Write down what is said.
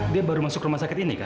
dia baru masuk rumah sakit ini kan